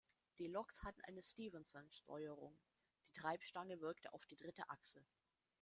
Die Loks hatten eine Stephenson-Steuerung, die Treibstange wirkte auf die dritte Achse.